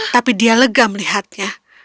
tapi dia lega melihatnya